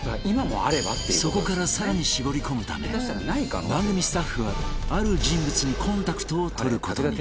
そこから更に絞り込むため番組スタッフはある人物にコンタクトを取る事に